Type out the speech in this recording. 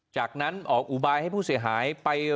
จากนั้นออกอุบายให้ผู้เสียหายไป